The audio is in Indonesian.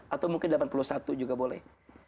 atau mungkin delapan puluh satu juga boleh